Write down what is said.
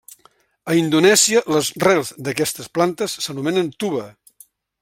A indonèsia les rels d'aquestes plantes s'anomenen tuba.